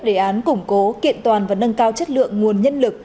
đề án củng cố kiện toàn và nâng cao chất lượng nguồn nhân lực